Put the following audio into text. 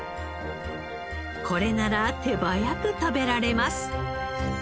これなら手早く食べられます。